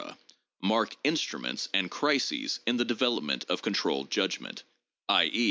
mark instruments and crises in the development of controlled judgment, i. e.